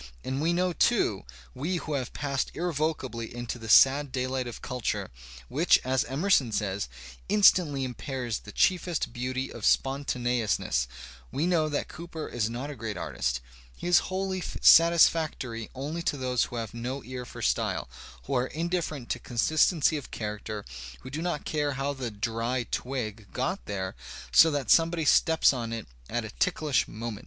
And we know too, we who have passed irrevocably into the sad daylight of culture, which, as Emerson says, instantly ^ impairs the chiefest beauty of spontaneousness — we know that Cooper is not a great artist; he is wholly satisfactory only to those who have no ear for style, who are indifferent to consistency of character, who do not care how the " dry twig" got there, so that somebody steps on it at a ticklish moment.